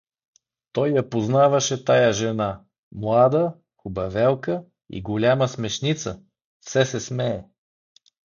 Той я познаваше тая жена — млада, хубавелка и голяма смешница, все се смее.